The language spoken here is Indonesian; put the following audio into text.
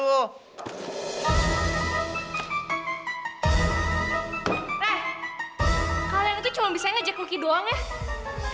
eh kalian itu cuma bisa ngejek luki doang ya